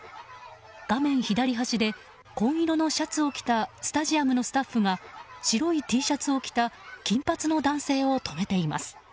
画面左端で紺色のシャツを着たスタジアムのスタッフが白いＴシャツを着た金髪の男性を止めています。